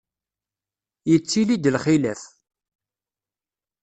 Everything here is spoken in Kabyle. Yettili-d lxilaf.